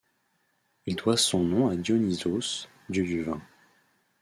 Il doit son nom à Dionysos, dieu du vin.